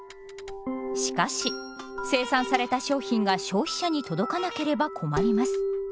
しかし生産された商品が消費者に届かなければ困ります。